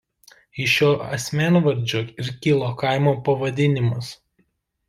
Iš šio asmenvardžio ir kilo kaimo pavadinimas.